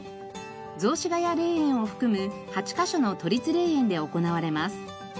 雑司ケ谷霊園を含む８カ所の都立霊園で行われます。